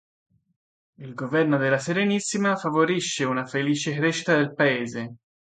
Il governo della Serenissima favorisce una felice crescita del paese.